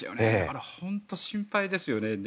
本当に心配ですよね。